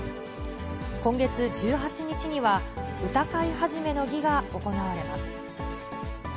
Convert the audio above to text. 今月１８日には、歌会始の儀が行われます。